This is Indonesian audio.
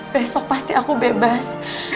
besok pasti aku bebas